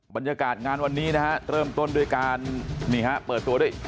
บรรยากาศงานวันนี้นะฮะเริ่มต้นด้วยการนี่ฮะเปิดตัวด้วย